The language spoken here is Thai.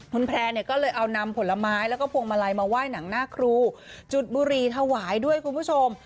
คุณแพร่เนี่ยก็เลยเอานำผลไม้แล้วก็พวงมาลัยมาไหว้หนังหน้าครูจุดบุรีถวายด้วยคุณผู้ชม